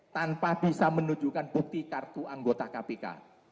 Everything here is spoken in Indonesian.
tanpa bisa menunjukkan bukti kartu anggota kpk